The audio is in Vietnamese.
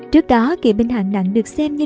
trước đó kỵ binh hạng nặng được xem như